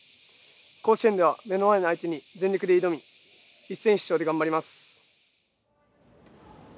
甲子園では、目の前の相手に全力で挑み一戦必勝で頑張ります。